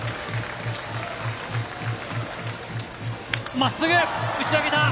真っすぐ打ち上げた！